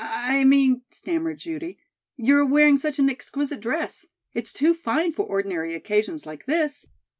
"I I mean," stammered Judy, "you are wearing such an exquisite dress. It's too fine for ordinary occasions like this."